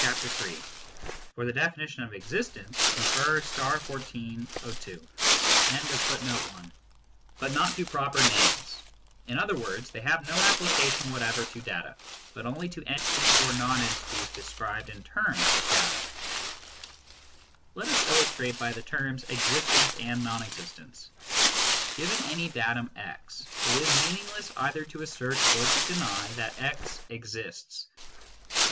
Thus such pairs of words can be applied to descriptions, 1 but not to proper names : in other words, they have no application whatever to data, but only to entities or non entities described in terms of data. Let us illustrate by the terms " existence " and " non existence." Given any datum x, it is meaningless either to assert or to deny that x " exists."